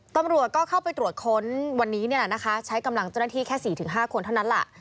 ตำรวจก็เข้าไปตรวจค้นวันนี้ใช้กำลังเจ้าหน้าที่แค่๔๕คนเท่านั้นล่ะ